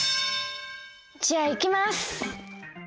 じゃあいきます。